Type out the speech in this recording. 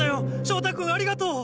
翔太君ありがとう！